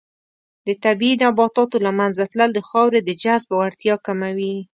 د طبیعي نباتاتو له منځه تلل د خاورې د جذب وړتیا کموي.